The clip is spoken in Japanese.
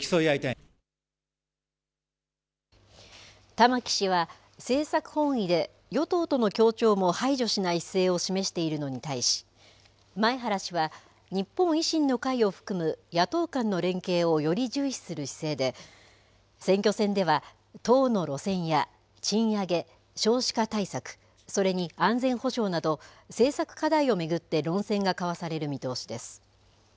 玉木氏は政策本位で与党との協調も排除しない姿勢を示しているのに対し前原氏は日本維新の会を含む野党間の連携をより重視する姿勢で選挙戦では党の路線や賃上げ、少子化対策それに安全保障など政策課題を巡って論戦が交わされる見通しです。